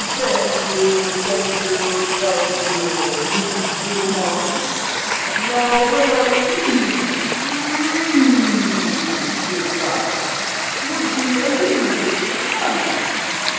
"Thank you, thank you, thank you, Mrs. Tittlemouse! Now what I really REALLY should like would be a little dish of honey!"